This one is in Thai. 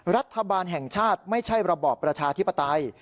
รัฐบาลแห่งชาติไม่ใช่ระบอบประชาธิปไตย